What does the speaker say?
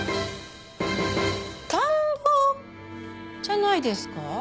田んぼじゃないですか？